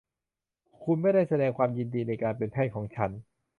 คุณไม่ได้แสดงความยินดีในการเป็นแพทย์ของฉัน